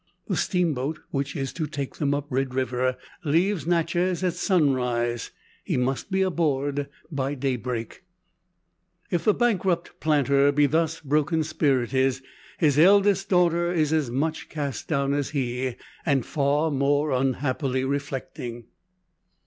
The steamboat, which is to take them up Red River, leaves Natchez at sunrise. He must be aboard by daybreak. If the bankrupt planter be thus broken spirited, his eldest daughter is as much cast down as he, and far more unhappily reflecting.